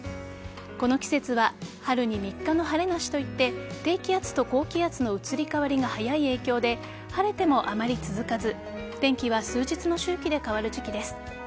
この季節は春に３日の晴れなしといって低気圧と高気圧の移り変わりが早い影響で晴れてもあまり続かず天気は数日の周期で変わる時期です。